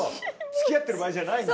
付き合ってる場合じゃないんだ。